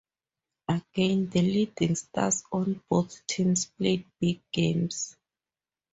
Again, the leading stars on both teams played big games.